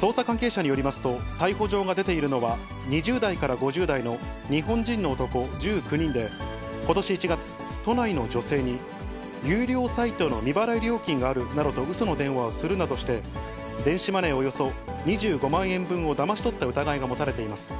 捜査関係者によりますと、逮捕状が出ているのは、２０代から５０代の日本人の男１９人で、ことし１月、都内の女性に、有料サイトの未払い料金があるなどとうその電話をするなどして、電子マネーおよそ２５万円分をだまし取った疑いが持たれています。